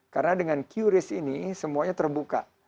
karena dengan qris ini semuanya terbuka